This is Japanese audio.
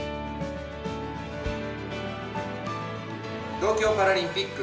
東京パラリンピック